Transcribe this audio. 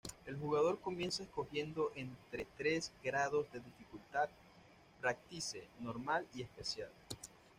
El jugador comienza escogiendo entre tres grados de dificultad: "Practice", "Normal" y "Special".